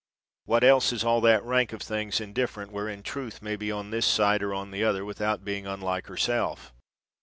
What else is all that rank of things indifferent, wherein Truth may be on this side or on the other, without being unlike herself?